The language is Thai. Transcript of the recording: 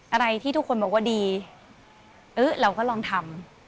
อะไรที่ทุกคนบอกว่าดีเออเราก็ลองทำ